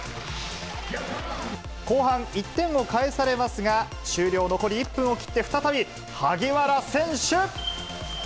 後半、１点を返されますが、終了残り１分を切って、再び萩原選手。